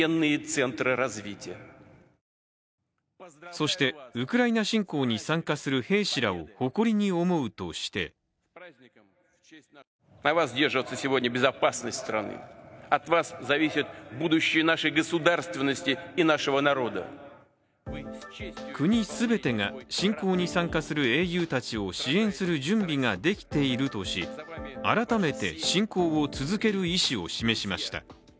そして、ウクライナ侵攻に参加する兵士らを誇りに思うとして国全てが侵攻に参加する英雄たちを支援する準備ができているとし改めて侵攻を続ける意思を示しました。